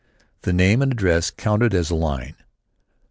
The name and address counted as a line.